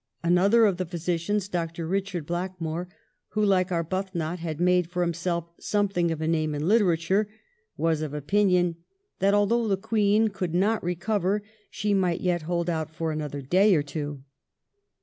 Another of the physicians. Sir Eichard Blackmore, who like Arbuthnot had made for himself something of a name in Hterature, was of opinion that, although the Queen could not recover, she might yet hold out for another day or two.